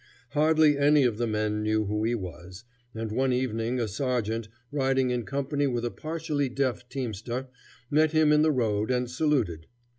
Hardly any of the men knew who he was, and one evening a sergeant, riding in company with a partially deaf teamster, met him in the road and saluted.